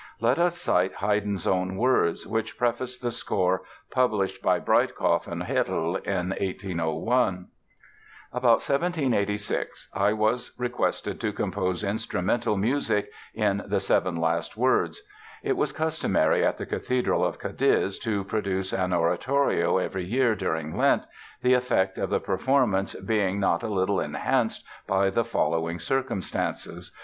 Let us cite Haydn's own words which preface the score published by Breitkopf und Härtel in 1801: "About 1786 I was requested to compose instrumental music in 'The Seven Last Words.' It was customary at the Cathedral of Cadiz to produce an oratorio every year during Lent, the effect of the performance being not a little enhanced by the following circumstances.